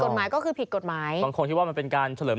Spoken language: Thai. กฎหมายก็คือผิดกฎหมายบางคนคิดว่ามันเป็นการเฉลิม